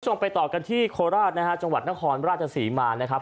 ไปต่อกันที่โคราชนะฮะจังหวัดนครราชศรีมานะครับ